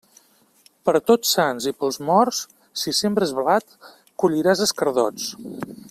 Per Tots Sants i pels Morts, si sembres blat, colliràs escardots.